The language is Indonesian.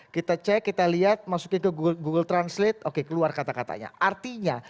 kita cek kita lihat masukin ke google translate oke keluar kata katanya